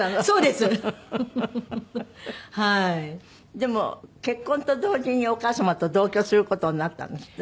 でも結婚と同時にお母様と同居する事になったんですって？